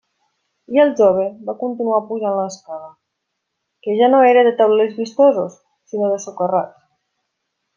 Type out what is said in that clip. I el jove va continuar pujant l'escala, que ja no era de taulells vistosos, sinó de socarrats.